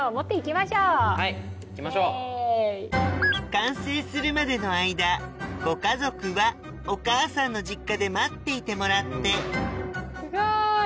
完成するまでの間ご家族はお母さんの実家で待っていてもらってすごい！